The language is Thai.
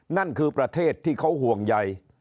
นั่นคือประเทศที่เขาห่วงใย